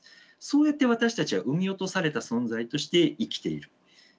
そうやって私たちは生み落とされた存在として生きている。